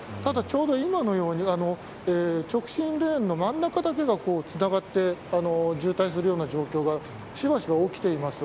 ただ、今のように直進レーンの真ん中だけがつながって渋滞するような状況がしばしば起きています。